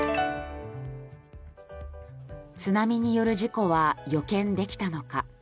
津波による事故は予見できたのか。